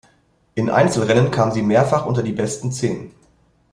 In Einzelrennen kam sie mehrfach unter die besten zehn.